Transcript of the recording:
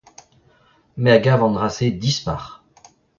Me a gav an dra-se dispar.